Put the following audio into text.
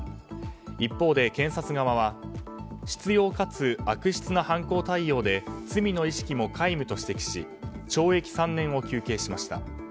一方で、検察側は執拗かつ悪質な犯行態様で罪の意識も皆無と指摘し懲役３年を求刑しました。